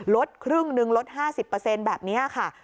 ลดครึ่งหนึ่งลด๕๐แบบนี้ค่ะ